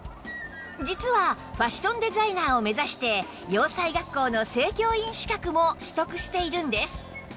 実はファッションデザイナーを目指して洋裁学校の正教員資格も取得しているんです